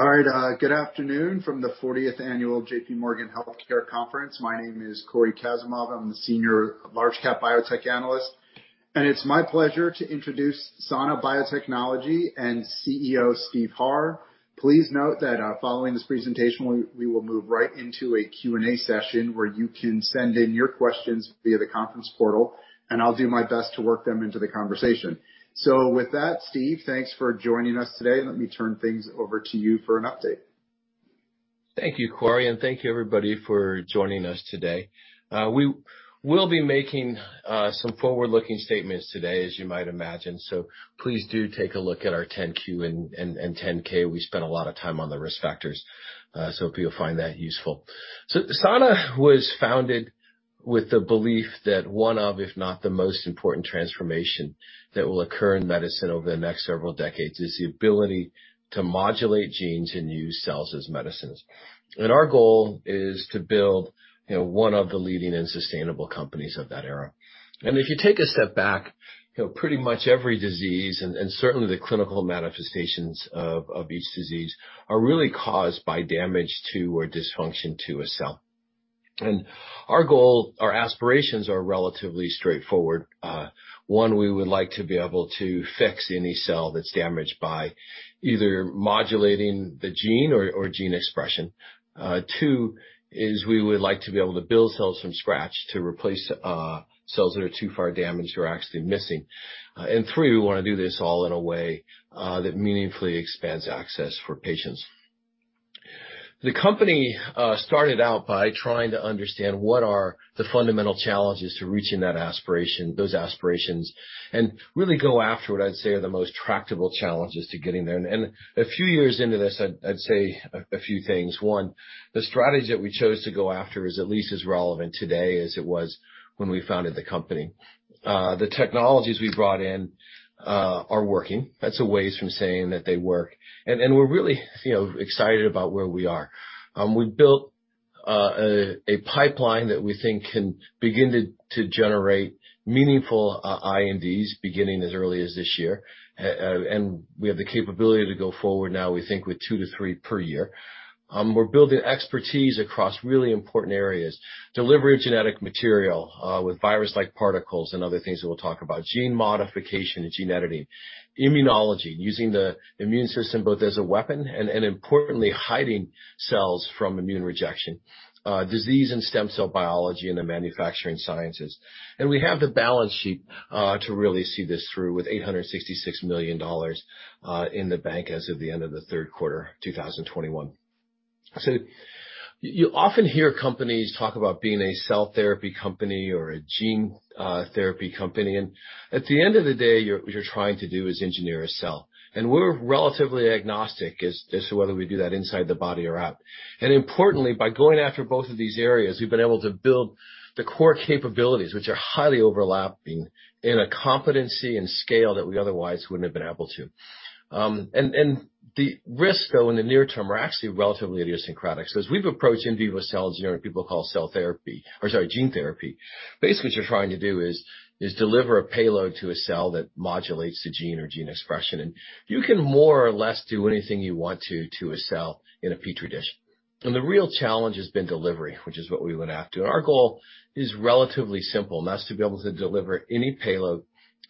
All right. Good afternoon from the 40th Annual J.P. Morgan Healthcare Conference. My name is Cory Kasimov. I'm the senior large cap biotech analyst, and it's my pleasure to introduce Sana Biotechnology and CEO Steve Harr. Please note that following this presentation, we will move right into a Q&A session where you can send in your questions via the conference portal, and I'll do my best to work them into the conversation. With that, Steve, thanks for joining us today. Let me turn things over to you for an update. Thank you, Cory, and thank you, everybody, for joining us today. We will be making some forward-looking statements today, as you might imagine. Please do take a look at our 10-Q and 10-K. We spent a lot of time on the risk factors, so hope you'll find that useful. Sana was founded with the belief that one of, if not the most important transformation that will occur in medicine over the next several decades is the ability to modulate genes and use cells as medicines. Our goal is to build, you know, one of the leading and sustainable companies of that era. If you take a step back, you know, pretty much every disease and certainly the clinical manifestations of each disease are really caused by damage to or dysfunction to a cell. Our goal or aspirations are relatively straightforward. One, we would like to be able to fix any cell that's damaged by either modulating the gene or gene expression. Two is we would like to be able to build cells from scratch to replace cells that are too far damaged or actually missing. Three, we wanna do this all in a way that meaningfully expands access for patients. The company started out by trying to understand what are the fundamental challenges to reaching that aspiration, those aspirations, and really go after what I'd say are the most tractable challenges to getting there. A few years into this, I'd say a few things. One, the strategy that we chose to go after is at least as relevant today as it was when we founded the company. The technologies we brought in are working. That's a ways from saying that they work. We're really, you know, excited about where we are. We've built a pipeline that we think can begin to generate meaningful INDs beginning as early as this year. We have the capability to go forward now, we think, with two to three per year. We're building expertise across really important areas, delivery of genetic material with virus-like particles and other things that we'll talk about, gene modification and gene editing, immunology, using the immune system both as a weapon and importantly, hiding cells from immune rejection, disease and stem cell biology in the manufacturing sciences. We have the balance sheet to really see this through with $866 million in the bank as of the end of the third quarter, 2021. You often hear companies talk about being a cell therapy company or a gene therapy company, and at the end of the day, what you're trying to do is engineer a cell. We're relatively agnostic as to whether we do that inside the body or out. Importantly, by going after both of these areas, we've been able to build the core capabilities, which are highly overlapping in a competency and scale that we otherwise wouldn't have been able to. The risks, though, in the near term, are actually relatively idiosyncratic. As we've approached in vivo cells, you know, what people call cell therapy or, sorry, gene therapy, basically what you're trying to do is deliver a payload to a cell that modulates the gene or gene expression. You can more or less do anything you want to a cell in a Petri dish. The real challenge has been delivery, which is what we went after. Our goal is relatively simple, and that's to be able to deliver any payload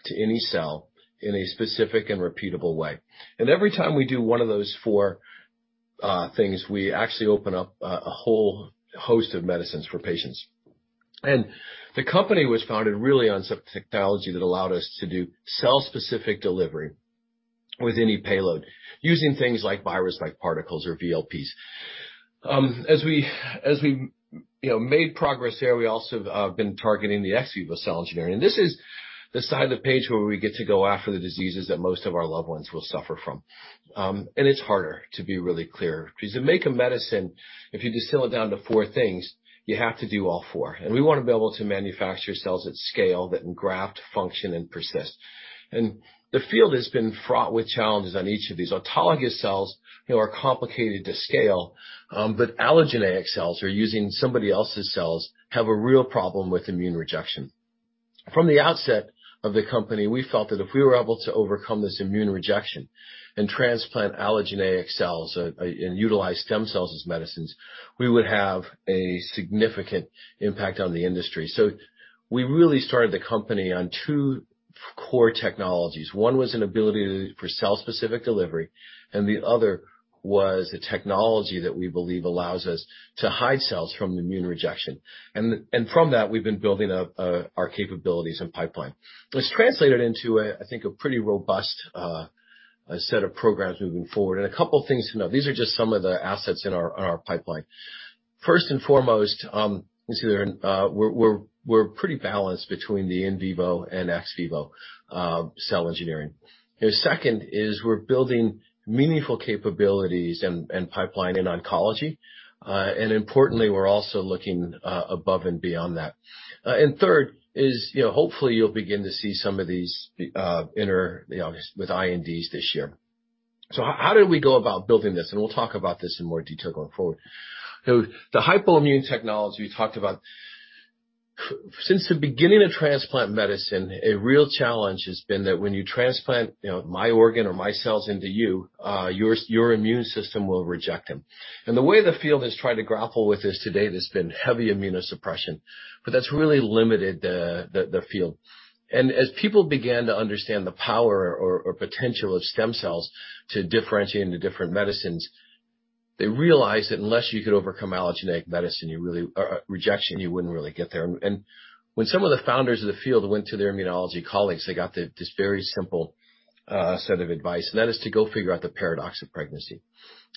to any cell in a specific and repeatable way. Every time we do one of those four things, we actually open up a whole host of medicines for patients. The company was founded really on some technology that allowed us to do cell-specific delivery with any payload using things like virus-like particles or VLPs. As we made progress here, we also have been targeting the ex vivo cell engineering. This is the side of the page where we get to go after the diseases that most of our loved ones will suffer from. It's harder, to be really clear, 'cause to make a medicine, if you distill it down to four things, you have to do all four. We wanna be able to manufacture cells at scale that can graft, function, and persist. The field has been fraught with challenges on each of these. Autologous cells, you know, are complicated to scale, but allogeneic cells or using somebody else's cells have a real problem with immune rejection. From the outset of the company, we felt that if we were able to overcome this immune rejection and transplant allogeneic cells, and utilize stem cells as medicines, we would have a significant impact on the industry. We really started the company on two core technologies. One was an ability for cell-specific delivery, and the other was the technology that we believe allows us to hide cells from immune rejection. From that, we've been building up our capabilities and pipeline. It's translated into, I think, a pretty robust set of programs moving forward. A couple things to note, these are just some of the assets in our pipeline. First and foremost, you can see that we're pretty balanced between the in vivo and ex vivo cell engineering. You know, second is we're building meaningful capabilities and pipeline in oncology, and importantly, we're also looking above and beyond that. Third is, you know, hopefully you'll begin to see some of these enter obviously with INDs this year. How did we go about building this? We'll talk about this in more detail going forward. The hypoimmune technology we talked about. Since the beginning of transplant medicine, a real challenge has been that when you transplant, you know, my organ or my cells into you, your immune system will reject them. The way the field has tried to grapple with this today has been heavy immunosuppression, but that's really limited the field. As people began to understand the potential of stem cells to differentiate into different medicines, they realized that unless you could overcome allogeneic rejection, you wouldn't really get there. When some of the founders of the field went to their immunology colleagues, they got this very simple set of advice, and that is to go figure out the paradox of pregnancy.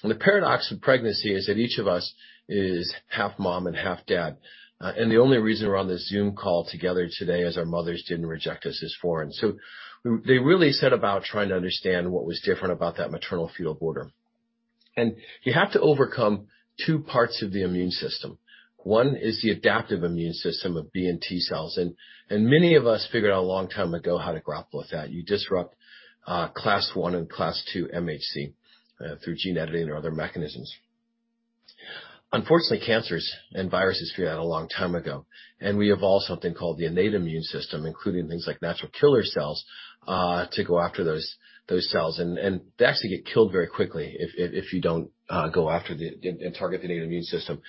The paradox of pregnancy is that each of us is half mom and half dad, and the only reason we're on this Zoom call together today is our mothers didn't reject us as foreign. They really set about trying to understand what was different about that maternal fetal border. You have to overcome two parts of the immune system. One is the adaptive immune system of B and T cells, and many of us figured out a long time ago how to grapple with that. You disrupt class I and class II MHC through gene editing or other mechanisms. Unfortunately, cancers and viruses figure out a long time ago, and we evolved something called the innate immune system, including things like natural killer cells to go after those cells, and they actually get killed very quickly if you don't target the innate immune system.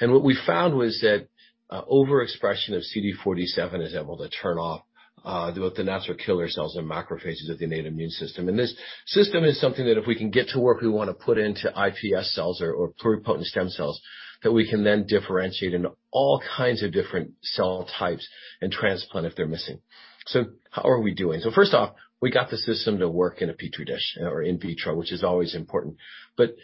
What we found was that overexpression of CD47 is able to turn off the natural killer cells and macrophages of the innate immune system. This system is something that if we can get to work, we wanna put into iPS cells or pluripotent stem cells that we can then differentiate into all kinds of different cell types and transplant if they're missing. How are we doing? First off, we got the system to work in a Petri dish or in vitro, which is always important, but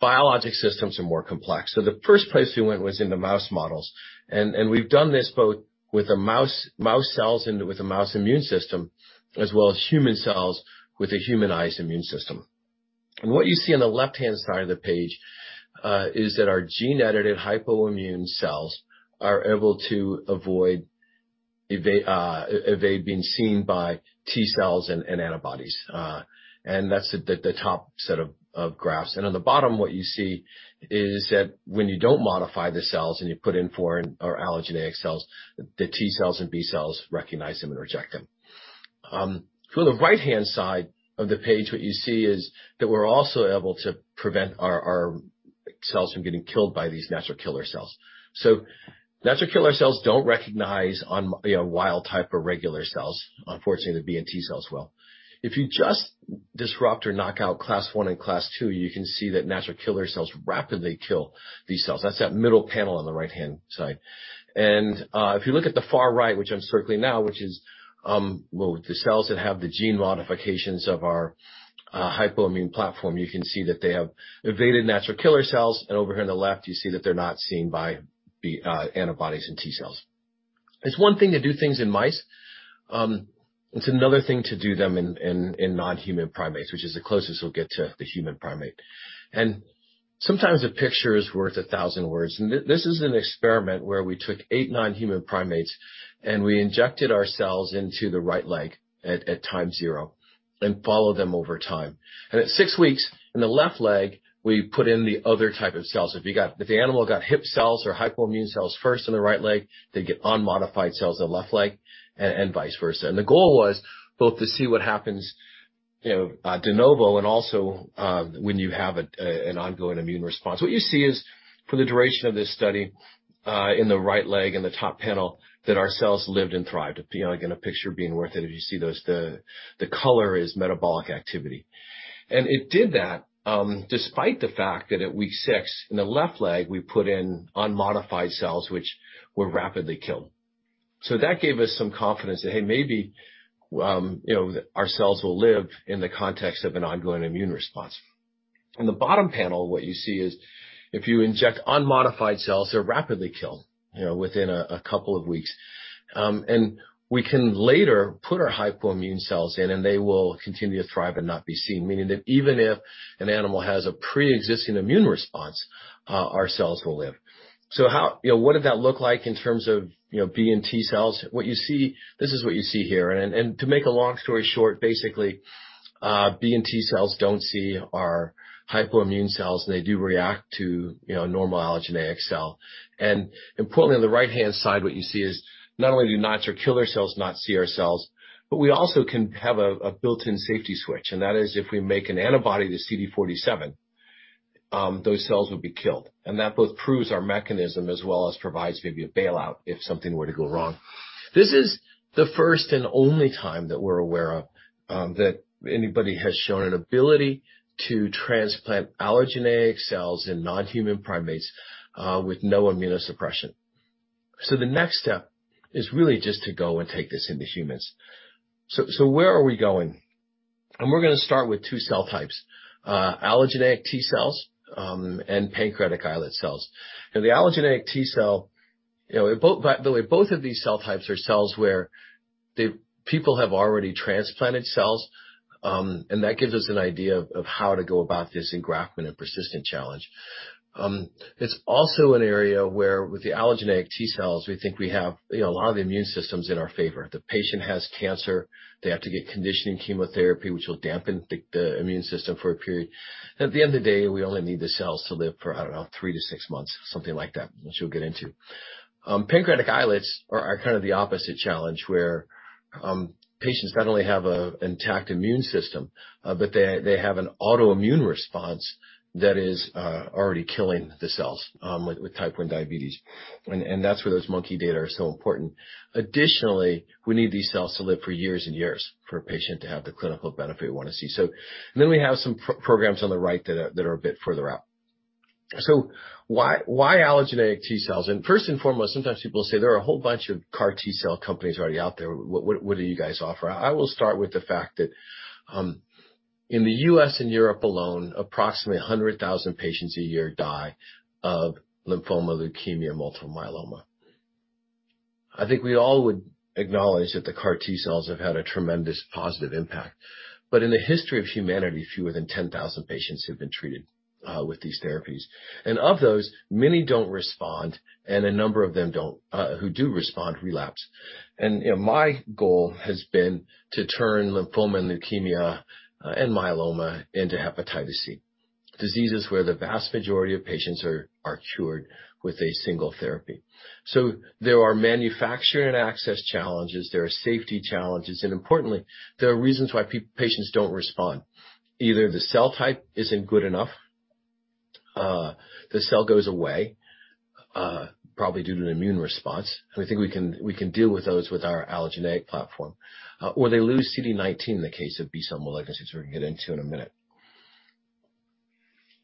biological systems are more complex. The first place we went was in the mouse models. We've done this both with mouse cells and with a mouse immune system, as well as human cells with a humanized immune system. What you see on the left-hand side of the page is that our gene-edited hypoimmune cells are able to evade being seen by T cells and antibodies. That's the top set of graphs. On the bottom, what you see is that when you don't modify the cells, and you put in foreign or allogeneic cells, the T cells and B cells recognize them and reject them. For the right-hand side of the page, what you see is that we're also able to prevent our cells from getting killed by these natural killer cells. Natural killer cells don't recognize on wild type or regular cells. Unfortunately, the B and T cells will. If you just disrupt or knock out class I and class II, you can see that natural killer cells rapidly kill these cells. That's the middle panel on the right-hand side. If you look at the far right, which I'm circling now, which is the cells that have the gene modifications of our hypoimmune platform, you can see that they have evaded natural killer cells, and over here on the left, you see that they're not seen by antibodies and T cells. It's one thing to do things in mice. It's another thing to do them in non-human primates, which is the closest we'll get to the human primate. Sometimes a picture is worth a thousand words. This is an experiment where we took eight non-human primates, and we injected our cells into the right leg at time zero and follow them over time. At six weeks, in the left leg, we put in the other type of cells. If the animal got HIP cells or hypoimmune cells first on the right leg, they'd get unmodified cells on the left leg and vice versa. The goal was both to see what happens, you know, de novo and also when you have an ongoing immune response. What you see is for the duration of this study, in the right leg and the top panel, that our cells lived and thrived. Again, a picture being worth it. If you see those, the color is metabolic activity. It did that despite the fact that at week six, in the left leg, we put in unmodified cells, which were rapidly killed. That gave us some confidence that, hey, maybe, you know, our cells will live in the context of an ongoing immune response. In the bottom panel, what you see is if you inject unmodified cells, they're rapidly killed within a couple of weeks. We can later put our hypoimmune cells in, and they will continue to thrive and not be seen, meaning that even if an animal has a preexisting immune response, our cells will live. What did that look like in terms of B and T cells? What you see. This is what you see here. To make a long story short, basically, B and T cells don't see our hypoimmune cells. They do react to normal allogeneic cell. Importantly, on the right-hand side, what you see is not only do natural killer cells not see our cells, but we also can have a built-in safety switch, and that is if we make an antibody to CD47, those cells would be killed. That both proves our mechanism as well as provides maybe a bailout if something were to go wrong. This is the first and only time that we're aware of that anybody has shown an ability to transplant allogeneic cells in non-human primates with no immunosuppression. The next step is really just to go and take this into humans. Where are we going? We're gonna start with two cell types: allogeneic T cells and pancreatic islet cells. Now, the allogeneic T cell, you know, by the way, both of these cell types are cells where the people have already transplanted cells, and that gives us an idea of how to go about this engraftment and persistent challenge. It's also an area where with the allogeneic T cells, we think we have, you know, a lot of the immune system's in our favor. The patient has cancer, they have to get conditioning chemotherapy, which will dampen the immune system for a period. At the end of the day, we only need the cells to live for, I don't know, 3-6 months, something like that, which we'll get into. Pancreatic islets are kind of the opposite challenge, where patients not only have an intact immune system, but they have an autoimmune response that is already killing the cells, like with type 1 diabetes. That's where those monkey data are so important. Additionally, we need these cells to live for years and years for a patient to have the clinical benefit we wanna see. We have some programs on the right that are a bit further out. Why allogeneic T cells? First and foremost, sometimes people say there are a whole bunch of CAR T cell companies already out there. What do you guys offer? I will start with the fact that, in the U.S. and Europe alone, approximately 100,000 patients a year die of lymphoma, leukemia, multiple myeloma. I think we all would acknowledge that the CAR T cells have had a tremendous positive impact. In the history of humanity, fewer than 10,000 patients have been treated with these therapies. Of those, many don't respond, and a number of them who do respond relapse. You know, my goal has been to turn lymphoma and leukemia and myeloma into hepatitis C, diseases where the vast majority of patients are cured with a single therapy. There are manufacturing and access challenges, there are safety challenges, and importantly, there are reasons why patients don't respond. Either the cell type isn't good enough, the cell goes away, probably due to an immune response, and I think we can deal with those with our allogeneic platform, or they lose CD19 in the case of B-cell malignancies we're gonna get into in a minute.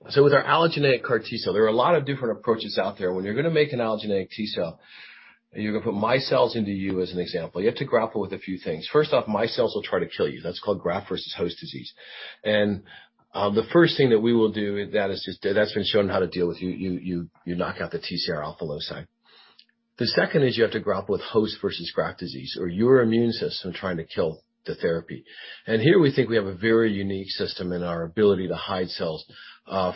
With our allogeneic CAR T cell, there are a lot of different approaches out there. When you're gonna make an allogeneic T cell, you're gonna put my cells into you as an example. You have to grapple with a few things. First off, my cells will try to kill you. That's called graft-versus-host disease. The first thing that we will do is knock out the TCR alpha loci, and that's been shown how to deal with. The second is you have to grapple with host-versus-graft disease or your immune system trying to kill the therapy. Here we think we have a very unique system in our ability to hide cells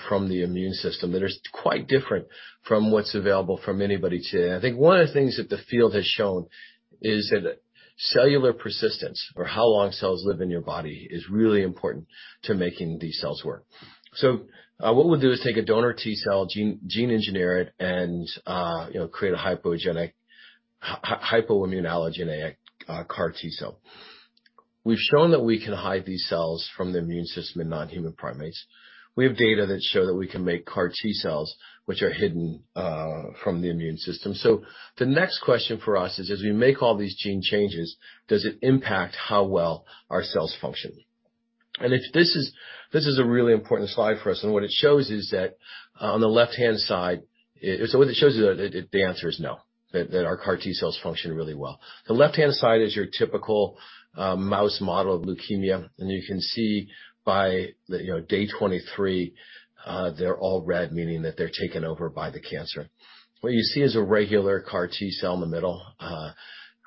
from the immune system that is quite different from what's available from anybody today. I think one of the things that the field has shown is that cellular persistence or how long cells live in your body is really important to making these cells work. What we'll do is take a donor T-cell, gene engineer it and, you know, create a hypoimmune allogeneic CAR T-cell. We've shown that we can hide these cells from the immune system in non-human primates. We have data that show that we can make CAR T-cells which are hidden from the immune system. The next question for us is, as we make all these gene changes, does it impact how well our cells function? This is a really important slide for us, and what it shows is that on the left-hand side, the answer is no, that our CAR T cells function really well. The left-hand side is your typical mouse model of leukemia. You can see by the, you know, day 23, they're all red, meaning that they're taken over by the cancer. What you see is a regular CAR T cell in the middle,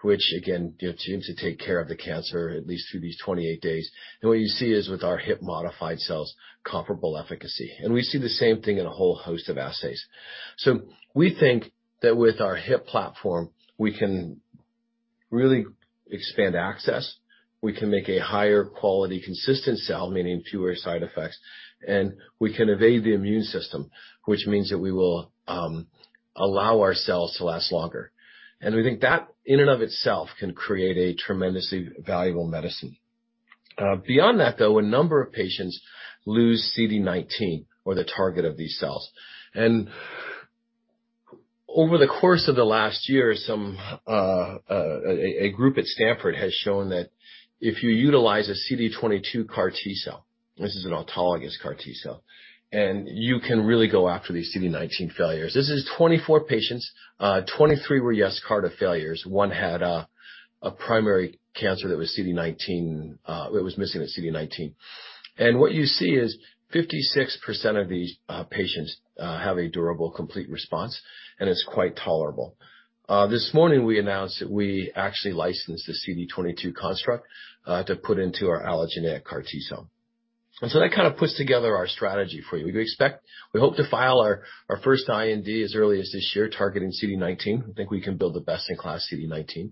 which again, you know, seems to take care of the cancer at least through these 28 days. What you see is with our HIP-modified cells, comparable efficacy. We see the same thing in a whole host of assays. We think that with our HIP platform, we can really expand access, we can make a higher quality consistent cell, meaning fewer side effects, and we can evade the immune system, which means that we will allow our cells to last longer. We think that in and of itself can create a tremendously valuable medicine. Beyond that, though, a number of patients lose CD19 or the target of these cells. Over the course of the last year, a group at Stanford has shown that if you utilize a CD22 CAR T-cell, this is an autologous CAR T-cell, and you can really go after these CD19 failures. This is 24 patients. 23 were CAR T failures. One had a primary cancer that was CD19, it was missing the CD19. What you see is 56% of these patients have a durable complete response, and it's quite tolerable. This morning we announced that we actually licensed the CD22 construct to put into our allogeneic CAR T-cell. That kinda puts together our strategy for you. We hope to file our first IND as early as this year, targeting CD19. I think we can build the best-in-class CD19.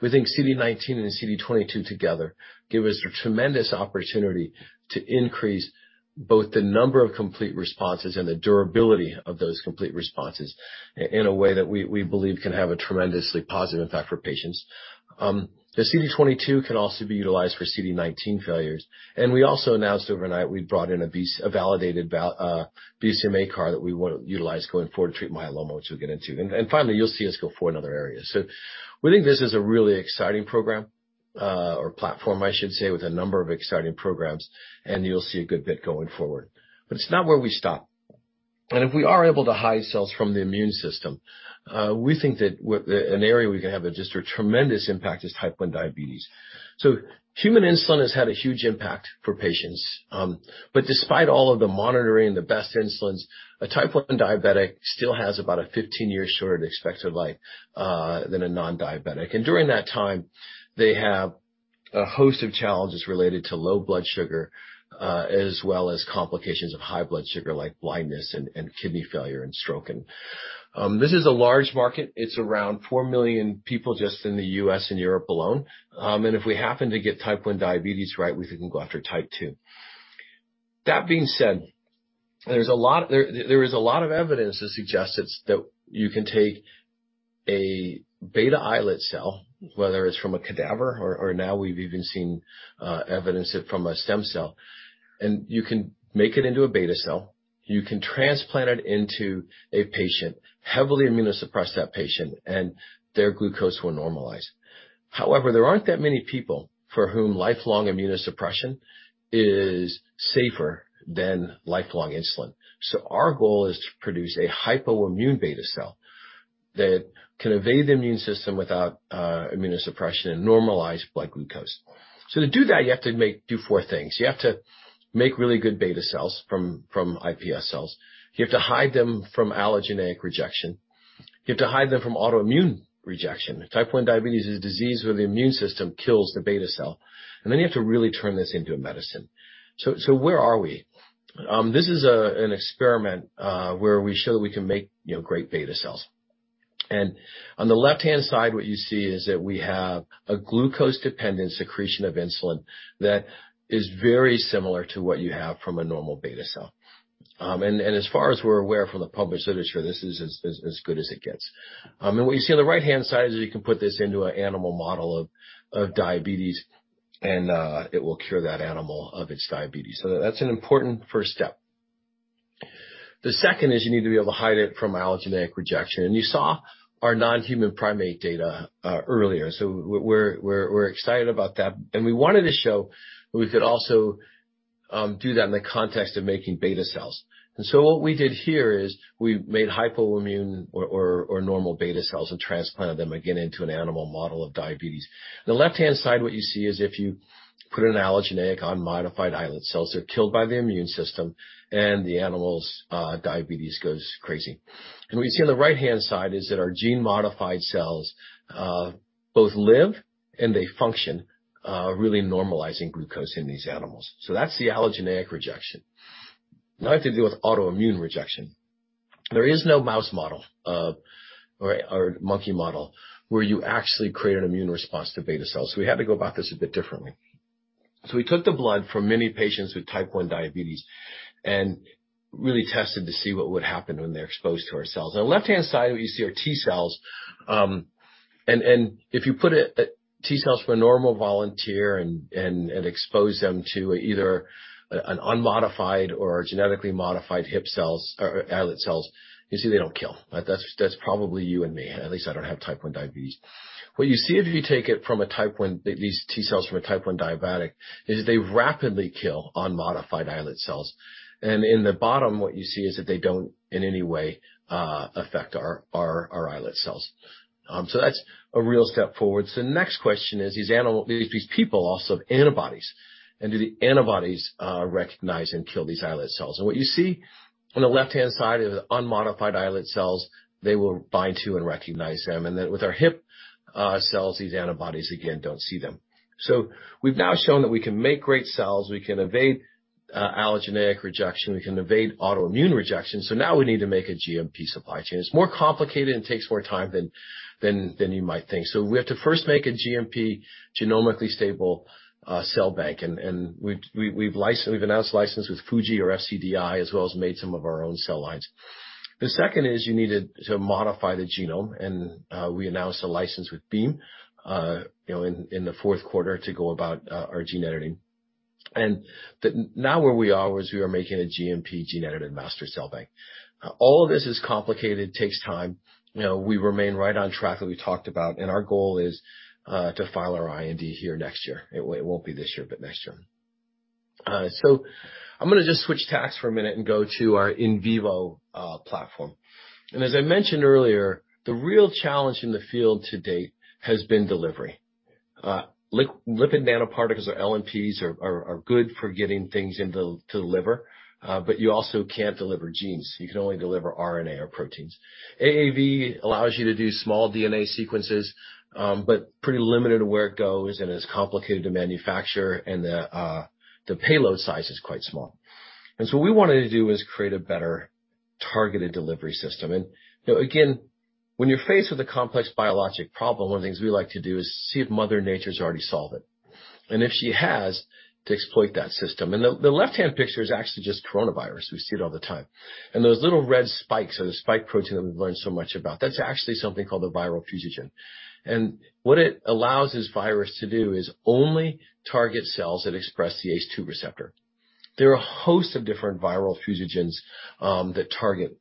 We think CD19 and CD22 together give us a tremendous opportunity to increase both the number of complete responses and the durability of those complete responses in a way that we believe can have a tremendously positive effect for patients. The CD22 can also be utilized for CD19 failures. We also announced overnight we brought in a validated BCMA CAR that we wanna utilize going forward to treat myeloma, which we'll get into. Finally, you'll see us go forward in other areas. We think this is a really exciting program, or platform, I should say, with a number of exciting programs, and you'll see a good bit going forward. It's not where we stop. If we are able to hide cells from the immune system, we think that an area we can have just a tremendous impact is type 1 diabetes. Human insulin has had a huge impact for patients. Despite all of the monitoring and the best insulins, a type 1 diabetic still has about a 15 years shorter expected life than a non-diabetic. During that time, they have a host of challenges related to low blood sugar, as well as complications of high blood sugar like blindness and kidney failure and stroke. This is a large market. It's around 4 million people just in the U.S. and Europe alone. If we happen to get type 1 diabetes right, we can go after type 2. That being said, there is a lot of evidence that suggests that you can take a beta islet cell, whether it's from a cadaver or now we've even seen evidence from a stem cell, and you can make it into a beta cell, you can transplant it into a patient, heavily immunosuppress that patient, and their glucose will normalize. However, there aren't that many people for whom lifelong immunosuppression is safer than lifelong insulin. Our goal is to produce a hypoimmune beta cell that can evade the immune system without immunosuppression and normalize blood glucose. To do that, you have to do four things. You have to make really good beta cells from iPS cells, you have to hide them from allogeneic rejection, you have to hide them from autoimmune rejection. Type 1 diabetes is a disease where the immune system kills the beta cell. You have to really turn this into a medicine. Where are we? This is an experiment where we show that we can make, you know, great beta cells. On the left-hand side, what you see is that we have a glucose-dependent secretion of insulin that is very similar to what you have from a normal beta cell. As far as we're aware from the published literature, this is as good as it gets. What you see on the right-hand side is that you can put this into an animal model of diabetes and it will cure that animal of its diabetes. That's an important first step. The second is you need to be able to hide it from allogeneic rejection. You saw our non-human primate data earlier. We're excited about that. We wanted to show we could also do that in the context of making beta cells. What we did here is we made hypoimmune or normal beta cells and transplanted them again into an animal model of diabetes. The left-hand side, what you see is if you put an allogeneic unmodified islet cells, they're killed by the immune system and the animal's diabetes goes crazy. What you see on the right-hand side is that our gene-modified cells both live and they function, really normalizing glucose in these animals. That's the allogeneic rejection. Now to do with autoimmune rejection. There is no mouse model of or monkey model where you actually create an immune response to beta cells, so we had to go about this a bit differently. We took the blood from many patients with type 1 diabetes and really tested to see what would happen when they're exposed to our cells. On the left-hand side, what you see are T cells. If you put T cells from a normal volunteer and expose them to either an unmodified or genetically modified HIP cells or islet cells, you see they don't kill. That's probably you and me. At least I don't have type 1 diabetes. What you see if you take it from a type 1 diabetic, these T cells rapidly kill unmodified islet cells. In the bottom, what you see is that they don't in any way affect our islet cells. That's a real step forward. The next question is, do these people also have antibodies? Do the antibodies recognize and kill these islet cells? What you see on the left-hand side is unmodified islet cells, they will bind to and recognize them. With our HIP cells, these antibodies again don't see them. We've now shown that we can make great cells, we can evade allogeneic rejection, we can evade autoimmune rejection. Now we need to make a GMP supply chain. It's more complicated and takes more time than you might think. We have to first make a GMP genomically stable cell bank. We've announced license with FUJIFILM or FCDI, as well as made some of our own cell lines. The second is you need to modify the genome, and we announced a license with Beam, you know, in the fourth quarter to go about our gene editing. Now where we are is we are making a GMP gene-edited master cell bank. All of this is complicated, takes time. You know, we remain right on track like we talked about, and our goal is to file our IND here next year. It won't be this year, but next year. I'm gonna just switch tasks for a minute and go to our in vivo platform. As I mentioned earlier, the real challenge in the field to date has been delivery. Lipid nanoparticles or LNPs are good for getting things into the liver, but you also can't deliver genes. You can only deliver RNA or proteins. AAV allows you to do small DNA sequences, but it's pretty limited to where it goes, and it's complicated to manufacture, and the payload size is quite small. What we wanted to do is create a better-targeted delivery system. You know, again, when you're faced with a complex biologic problem, one of the things we like to do is see if Mother Nature's already solved it, and if she has, to exploit that system. The left-hand picture is actually just coronavirus. We see it all the time. Those little red spikes are the spike protein that we've learned so much about. That's actually something called the viral fusogen. What it allows this virus to do is only target cells that express the ACE2 receptor. There are a host of different viral fusogens that target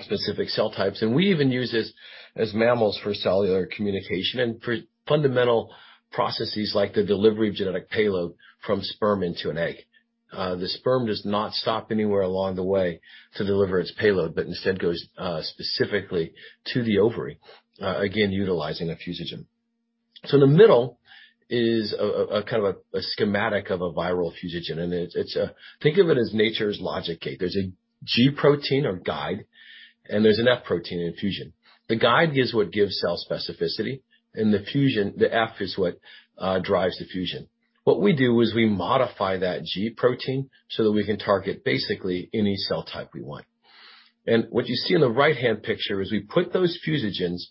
specific cell types, and we even use this as mammals for cellular communication and for fundamental processes like the delivery of genetic payload from sperm into an egg. The sperm does not stop anywhere along the way to deliver its payload, but instead goes specifically to the ovary, again, utilizing a fusogen. The middle is a kind of a schematic of a viral fusogen, and it's a. Think of it as nature's logic gate. There's a G protein or guide, and there's an F protein in fusion. The guide is what gives cell specificity, and the fusion, the F is what drives fusion. What we do is we modify that G protein so that we can target basically any cell type we want. What you see in the right-hand picture is we put those fusogens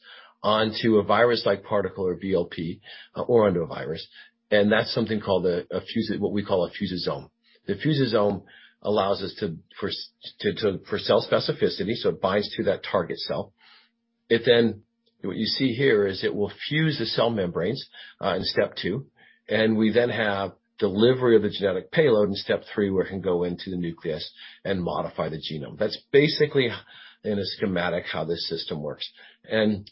onto a virus-like particle or VLP, or onto a virus, and that's something called a fusosome. The fusosome allows us to. for cell specificity, so it binds to that target cell. It then. What you see here is it will fuse the cell membranes, in step two, and we then have delivery of the genetic payload in step three, where it can go into the nucleus and modify the genome. That's basically, in a schematic, how this system works.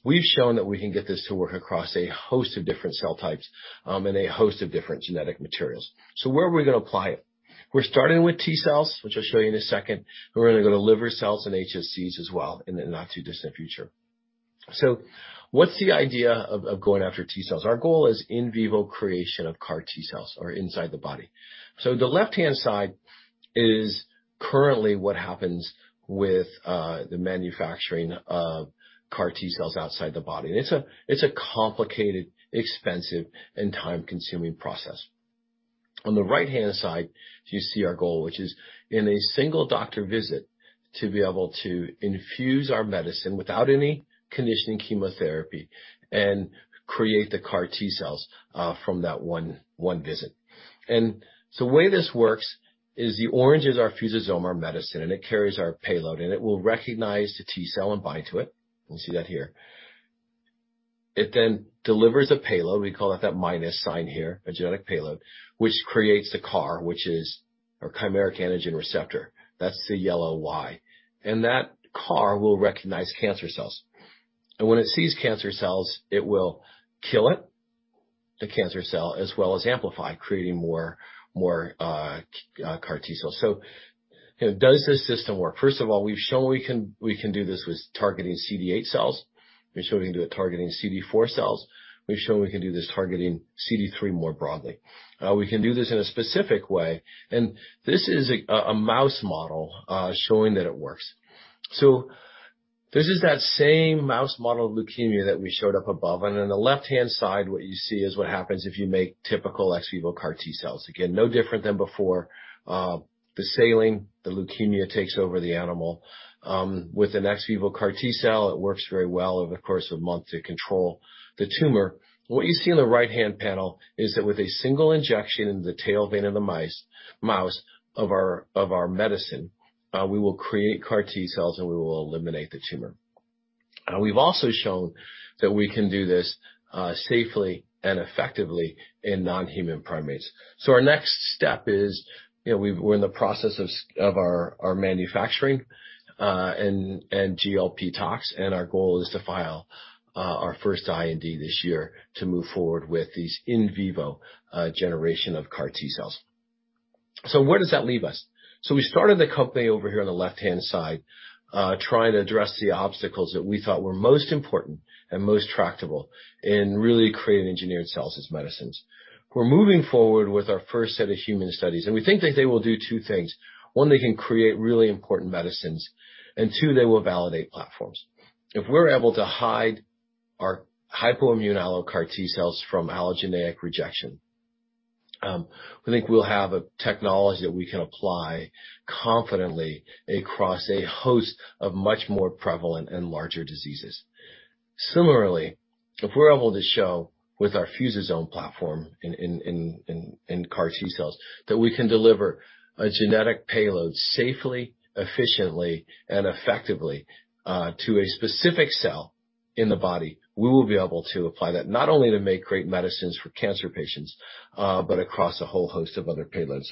We've shown that we can get this to work across a host of different cell types, and a host of different genetic materials. Where are we gonna apply it? We're starting with T cells, which I'll show you in a second, and we're gonna go to liver cells and HSCs as well in the not-too-distant future. What's the idea of going after T cells? Our goal is in vivo creation of CAR T cells or inside the body. The left-hand side is currently what happens with the manufacturing of CAR T cells outside the body. It's a complicated, expensive, and time-consuming process. On the right-hand side, you see our goal, which is in a single doctor visit, to be able to infuse our medicine without any conditioning chemotherapy and create the CAR T cells from that one visit. The way this works is the orange is our fusosome or medicine, and it carries our payload, and it will recognize the T cell and bind to it. You can see that here. It then delivers a payload, we call that minus sign here, a genetic payload, which creates a CAR, which is a chimeric antigen receptor. That's the yellow Y. That CAR will recognize cancer cells. When it sees cancer cells, it will kill it, the cancer cell, as well as amplify, creating more CAR T cells. You know, does this system work? First of all, we've shown we can do this with targeting CD8 cells. We've shown we can do it targeting CD4 cells. We've shown we can do this targeting CD3 more broadly. We can do this in a specific way, and this is a mouse model showing that it works. This is that same mouse model of leukemia that we showed up above, and on the left-hand side, what you see is what happens if you make typical ex vivo CAR T cells. Again, no different than before. The saline, the leukemia takes over the animal. With an ex vivo CAR T cell, it works very well over the course of a month to control the tumor. What you see on the right-hand panel is that with a single injection in the tail vein of the mice with our medicine, we will create CAR T cells, and we will eliminate the tumor. We've also shown that we can do this safely and effectively in non-human primates. Our next step is, you know, we're in the process of our manufacturing and GLP tox, and our goal is to file our first IND this year to move forward with these in vivo generation of CAR T cells. Where does that leave us? We started the company over here on the left-hand side, trying to address the obstacles that we thought were most important and most tractable in really creating engineered cells as medicines. We're moving forward with our first set of human studies, and we think that they will do two things. One, they can create really important medicines, and two, they will validate platforms. If we're able to hide our hypoimmune allo CAR T cells from allogeneic rejection, we think we'll have a technology that we can apply confidently across a host of much more prevalent and larger diseases. Similarly, if we're able to show with our fusosome platform in CAR T cells that we can deliver a genetic payload safely, efficiently, and effectively to a specific cell in the body, we will be able to apply that not only to make great medicines for cancer patients, but across a whole host of other payloads.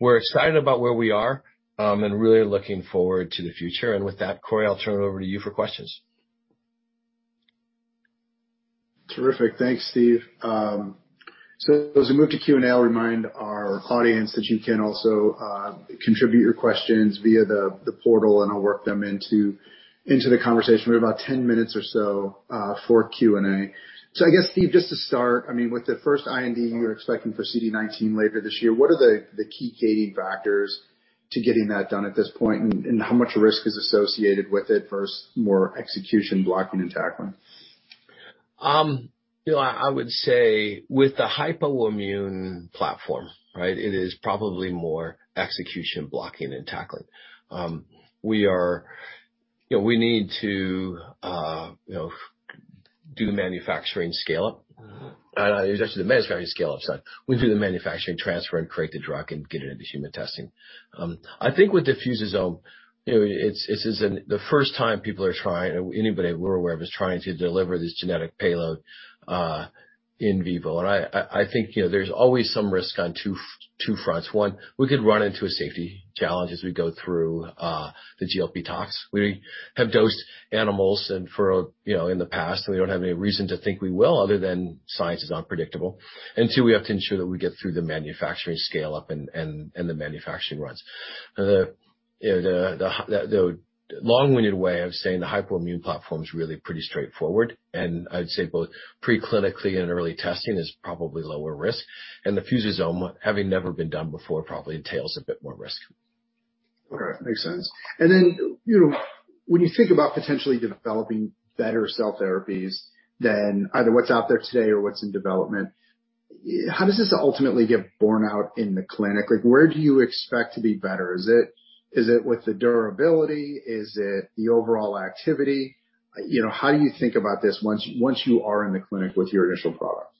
We're excited about where we are and really looking forward to the future. With that, Cory, I'll turn it over to you for questions. Terrific. Thanks, Steve. As we move to Q&A, I'll remind our audience that you can also contribute your questions via the portal, and I'll work them into the conversation. We have about 10 minutes or so for Q&A. I guess, Steve, just to start, I mean, with the first IND you're expecting for CD19 later this year, what are the key gating factors to getting that done at this point, and how much risk is associated with it versus more execution blocking and tackling? You know, I would say with the hypoimmune platform, right, it is probably more execution blocking and tackling. You know, we need to, you know, do the manufacturing scale-up. It's actually the manufacturing scale-up side. We do the manufacturing transfer and create the drug and get it into human testing. I think with the fusosome, you know, it's an the first time people are trying, anybody we're aware of is trying to deliver this genetic payload in vivo. I think, you know, there's always some risk on two fronts. One, we could run into a safety challenge as we go through the GLP tox. We have dosed animals and, you know, in the past, and we don't have any reason to think we will other than science is unpredictable. Two, we have to ensure that we get through the manufacturing scale-up and the manufacturing runs. You know, the long-winded way of saying the hypoimmune platform is really pretty straightforward, and I'd say both pre-clinically and in early testing is probably lower risk, and the fusosome, having never been done before, probably entails a bit more risk. Okay. Makes sense. Then, you know, when you think about potentially developing better cell therapies than either what's out there today or what's in development, how does this ultimately get borne out in the clinic? Like, where do you expect to be better? Is it with the durability? Is it the overall activity? You know, how do you think about this once you are in the clinic with your initial products?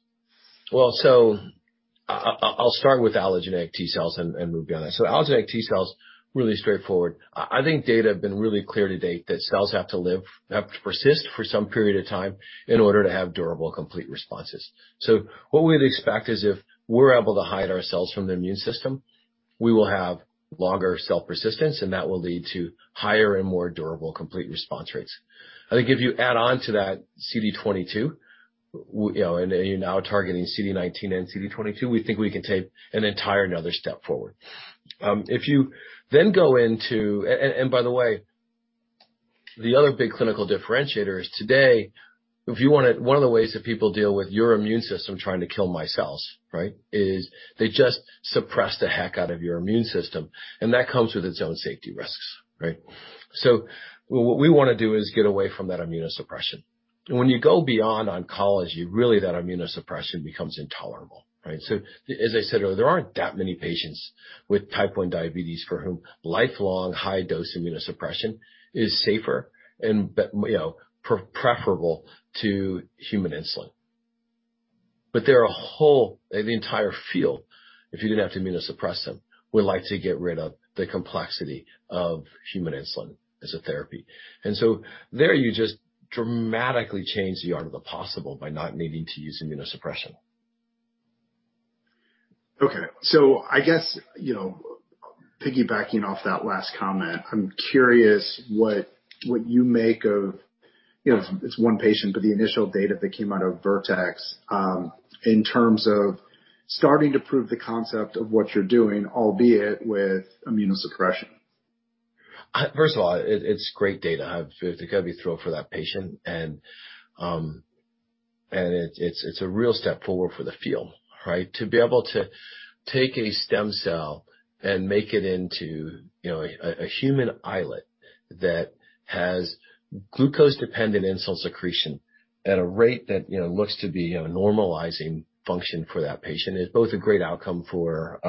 Well, I'll start with allogeneic T cells and move beyond that. Allogeneic T cells, really straightforward. I think data have been really clear to date that cells have to persist for some period of time in order to have durable, complete responses. What we'd expect is if we're able to hide our cells from the immune system, we will have longer cell persistence, and that will lead to higher and more durable complete response rates. I think if you add on to that CD19 and CD22, you know, and you're now targeting CD19 and CD22, we think we can take an entire another step forward. If you then go into By the way, the other big clinical differentiator is today, if you wanna one of the ways that people deal with your immune system trying to kill my cells, right, is they just suppress the heck out of your immune system, and that comes with its own safety risks, right? What we wanna do is get away from that immunosuppression. When you go beyond oncology, really that immunosuppression becomes intolerable, right? As I said earlier, there aren't that many patients with type 1 diabetes for whom lifelong high-dose immunosuppression is safer and you know, preferable to human insulin. There are a whole the entire field, if you didn't have to immunosuppress them, would like to get rid of the complexity of human insulin as a therapy. There you just dramatically change the art of the possible by not needing to use immunosuppression. Okay. I guess, you know, piggybacking off that last comment, I'm curious what you make of, you know, it's one patient, but the initial data that came out of Vertex, in terms of starting to prove the concept of what you're doing, albeit with immunosuppression. First of all, it's great data. I've gotta be thrilled for that patient and it's a real step forward for the field, right? To be able to take a stem cell and make it into, you know, a human islet that has glucose-dependent insulin secretion at a rate that, you know, looks to be a normalizing function for that patient is both a great outcome for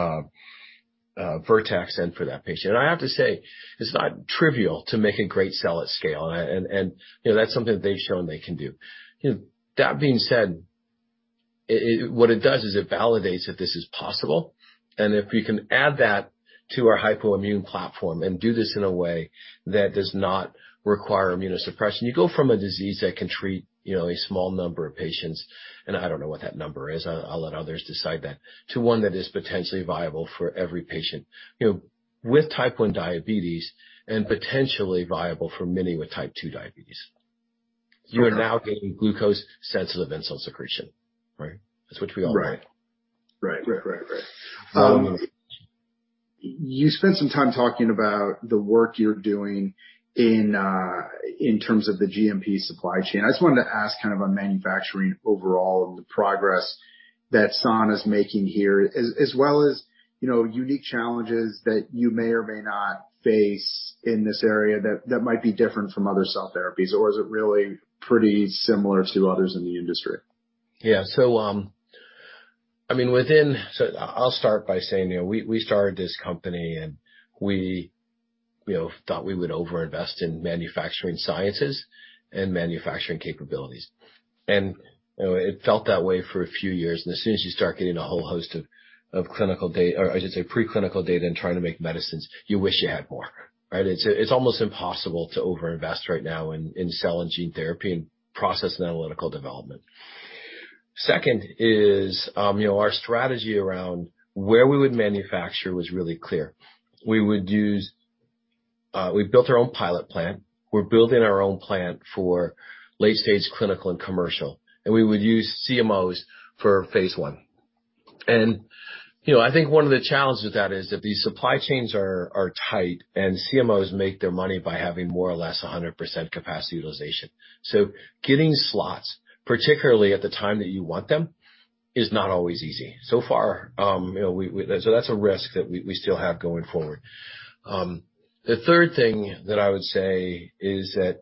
Vertex and for that patient. I have to say, it's not trivial to make a great cell at scale. You know, that's something that they've shown they can do. You know, that being said, it What it does is it validates that this is possible, and if we can add that to our hypoimmune platform and do this in a way that does not require immunosuppression, you go from a disease that can treat, you know, a small number of patients, and I don't know what that number is, I'll let others decide that, to one that is potentially viable for every patient, you know, with type 1 diabetes and potentially viable for many with type 2 diabetes. Okay. You are now getting glucose-sensitive insulin secretion, right? That's what we all like. Right. You spent some time talking about the work you're doing in terms of the GMP supply chain. I just wanted to ask kind of on manufacturing overall and the progress that Sana is making here, as well as, you know, unique challenges that you may or may not face in this area that might be different from other cell therapies. Or is it really pretty similar to others in the industry? Yeah. I'll start by saying, you know, we started this company, and we, you know, thought we would over-invest in manufacturing sciences and manufacturing capabilities. You know, it felt that way for a few years. As soon as you start getting a whole host of pre-clinical data and trying to make medicines, you wish you had more, right? It's almost impossible to overinvest right now in cell and gene therapy and process and analytical development. Second is, you know, our strategy around where we would manufacture was really clear. We would use, we've built our own pilot plant. We're building our own plant for late-stage clinical and commercial, and we would use CMOs for phase I. You know, I think one of the challenges with that is that these supply chains are tight, and CMOs make their money by having more or less 100% capacity utilization. Getting slots, particularly at the time that you want them, is not always easy. So far, you know, that's a risk that we still have going forward. The third thing that I would say is that,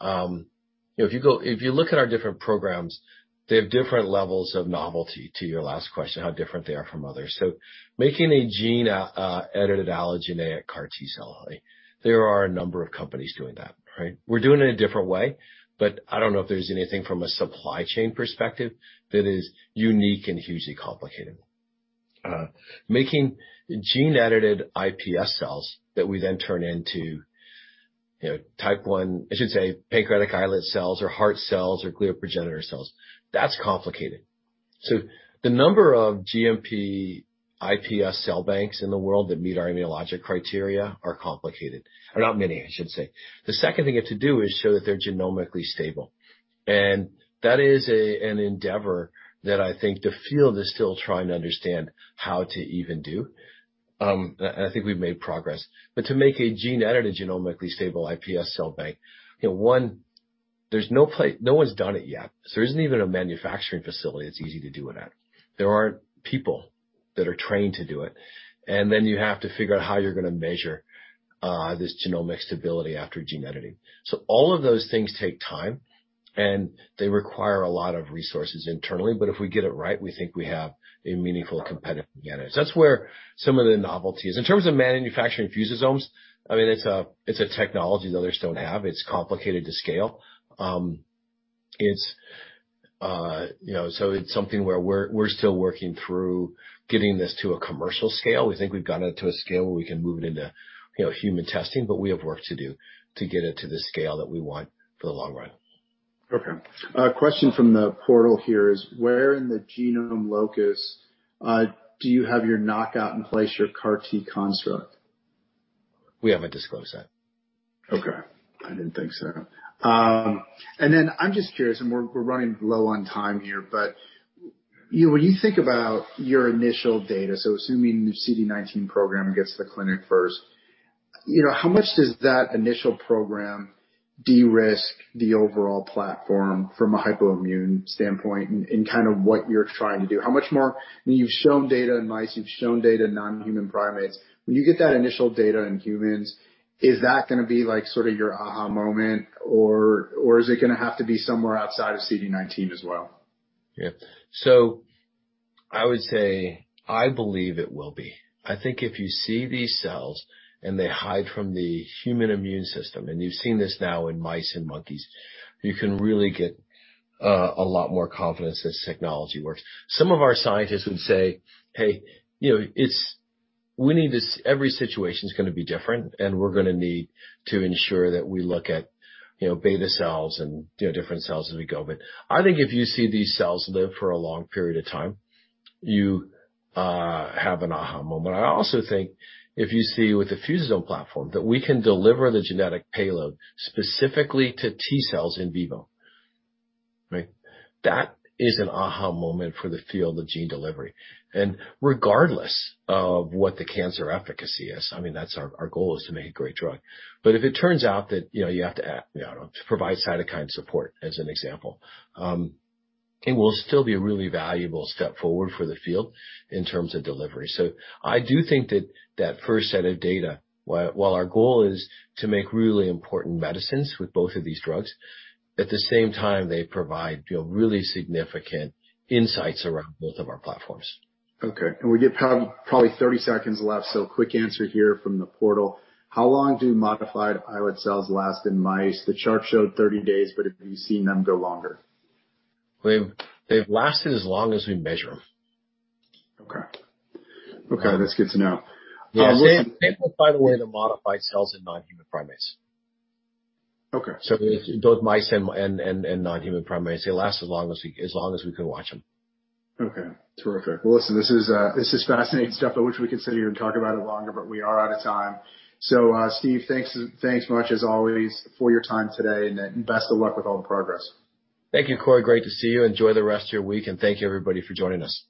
you know, if you look at our different programs, they have different levels of novelty, to your last question, how different they are from others. Making a gene-edited allogeneic CAR T cell, there are a number of companies doing that, right? We're doing it a different way, but I don't know if there's anything from a supply chain perspective that is unique and hugely complicated. Making gene-edited iPS cells that we then turn into, you know, type one, I should say, pancreatic islet cells or heart cells or glial progenitor cells, that's complicated. The number of GMP iPS cell banks in the world that meet our immunologic criteria are not many, I should say. The second thing you have to do is show that they're genomically stable. That is an endeavor that I think the field is still trying to understand how to even do. I think we've made progress. To make a gene-edited genomically stable iPS cell bank, you know, no one's done it yet. There isn't even a manufacturing facility that's easy to do it at. There aren't people that are trained to do it. Then you have to figure out how you're gonna measure this genomic stability after gene editing. All of those things take time, and they require a lot of resources internally. If we get it right, we think we have a meaningful competitive advantage. That's where some of the novelty is. In terms of manufacturing fusosomes, I mean, it's a technology the others don't have. It's complicated to scale. It's, you know, something where we're still working through getting this to a commercial scale. We think we've gotten it to a scale where we can move it into, you know, human testing, but we have work to do to get it to the scale that we want for the long run. Okay. A question from the portal here is: Where in the genome locus do you have your knockout in place, your CAR T construct? We haven't disclosed that. Okay. I didn't think so. Then I'm just curious, and we're running low on time here, but you, when you think about your initial data, assuming the CD19 program gets to the clinic first, you know, how much does that initial program de-risk the overall platform from a hypoimmune standpoint in kind of what you're trying to do? How much more I mean, you've shown data in mice, you've shown data in non-human primates. When you get that initial data in humans, is that gonna be, like, sort of your aha moment, or is it gonna have to be somewhere outside of CD19 as well? Yeah. I would say, I believe it will be. I think if you see these cells, and they hide from the human immune system, and you've seen this now in mice and monkeys, you can really get a lot more confidence this technology works. Some of our scientists would say, "Hey, you know, every situation is gonna be different, and we're gonna need to ensure that we look at, you know, beta cells and, you know, different cells as we go." I think if you see these cells live for a long period of time, you have an aha moment. I also think if you see with the fusosome platform that we can deliver the genetic payload specifically to T cells in vivo, right? That is an aha moment for the field of gene delivery. Regardless of what the cancer efficacy is, I mean, that's our goal is to make a great drug. If it turns out that, you know, you have to add, you know, to provide cytokine support as an example, it will still be a really valuable step forward for the field in terms of delivery. I do think that first set of data, while our goal is to make really important medicines with both of these drugs, at the same time, they provide, you know, really significant insights around both of our platforms. Okay. We get probably 30 seconds left, so quick answer here from the portal. How long do modified islet cells last in mice? The chart showed 30 days, but have you seen them go longer? They've lasted as long as we measure them. Okay. Okay, that's good to know. Same, by the way, the modified cells in non-human primates. Okay. Both mice and non-human primates, they last as long as we can watch them. Okay. Terrific. Well, listen, this is fascinating stuff. I wish we could sit here and talk about it longer, but we are out of time. Steve, thanks much as always for your time today and best of luck with all the progress. Thank you, Cory. Great to see you. Enjoy the rest of your week, and thank you everybody for joining us.